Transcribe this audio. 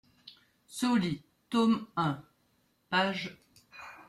Sauli, tome un, p.